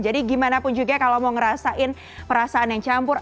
jadi gimana pun juga kalau mau ngerasain perasaan yang campur